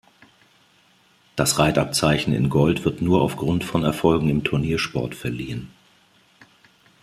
Das Reitabzeichen in Gold wird nur aufgrund von Erfolgen im Turniersport verliehen.